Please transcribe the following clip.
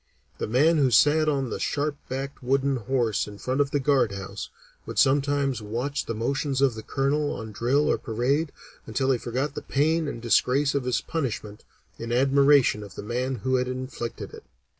The man who sat on a sharp backed wooden horse in front of the guard house, would sometimes watch the motions of the Colonel on drill or parade, until he forgot the pain and disgrace of his punishment in admiration of the man who inflicted it."